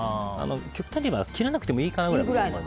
極端に言えば切らなくてもいいかなくらい。